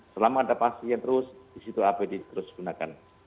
selama ada pasien terus di situ apd terus gunakan